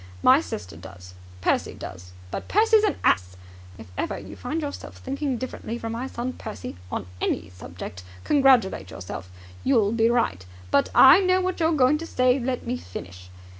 My sister does. Percy does. But Percy's an ass! If ever you find yourself thinking differently from my son Percy, on any subject, congratulate yourself. You'll be right." "But ..." "I know what you're going to say. Let me finish.